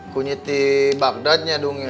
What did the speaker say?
kunyit di bagdratnya dong ya